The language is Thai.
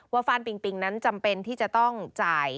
ฟ่านปิงปิงนั้นจำเป็นที่จะต้องจ่าย